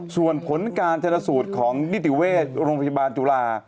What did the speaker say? ส่วนผลการชนสูตรของนิติเวชโรงพยาบาลจุฬา